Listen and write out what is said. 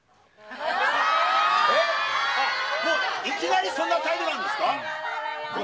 もういきなりそんな態度なんうん。